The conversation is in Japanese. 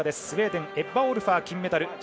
スウェーデンエッバ・オールファーが金メダル。